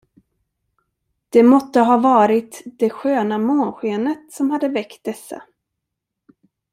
Det måtte ha varit det sköna månskenet, som hade väckt dessa.